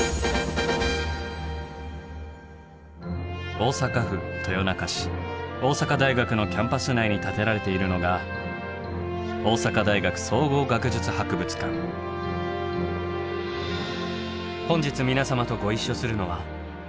大阪府豊中市大阪大学のキャンパス内に建てられているのが本日皆様とご一緒するのは。